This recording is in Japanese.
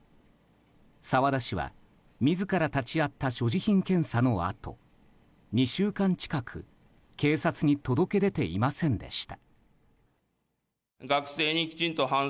澤田氏は自ら立ち会った所持品検査のあと２週間近く警察に届け出ていませんでした。